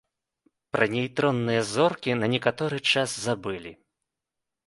Пра нейтронныя зоркі на некаторы час забылі.